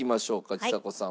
ちさ子さん